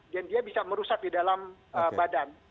dan dia bisa merusak di dalam badan